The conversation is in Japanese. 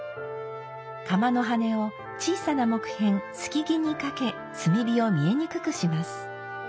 釜の羽を小さな木片「透木」にかけ炭火を見えにくくします。